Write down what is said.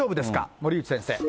森内先生。